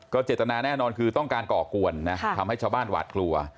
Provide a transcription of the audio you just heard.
เจตนาแน่นอนคือต้องการก่อกวนนะทำให้ชาวบ้านหวาดกลัว